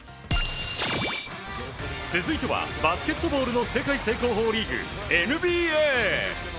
続いてはバスケットボールの世界最高峰リーグ、ＮＢＡ！